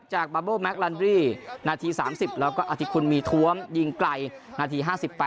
บาโบแมคลันดรี่นาที๓๐แล้วก็อธิคุณมีท้วมยิงไกลนาที๕๘